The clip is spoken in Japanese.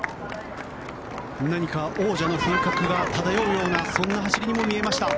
何か王者の風格が漂うようなそんな走りにも見えました。